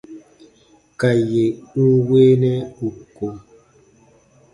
Ka yè n weenɛ ù ko.